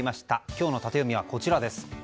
今日のタテヨミはこちら。